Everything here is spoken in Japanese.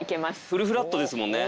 フルフラットですもんね。